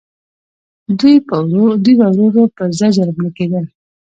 دوی به ورو ورو په زجر مړه کېدل.